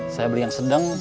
saya beli yang sedang